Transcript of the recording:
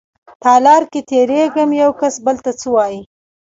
تالار کې تېرېږم يوکس بل ته څه وايي.